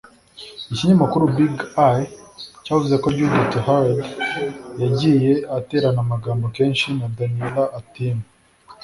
Ikinyamakuru Big Eye cyavuze ko Judith Heard yagiye aterana amagambo kenshi na Daniella Atim